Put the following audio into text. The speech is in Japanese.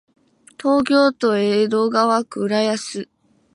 東京都江戸川区浦安